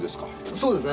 そうですね。